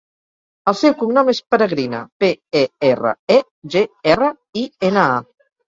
El seu cognom és Peregrina: pe, e, erra, e, ge, erra, i, ena, a.